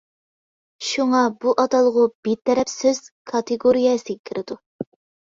شۇڭا، بۇ ئاتالغۇ «بىتەرەپ سۆز» كاتېگورىيەسىگە كىرىدۇ.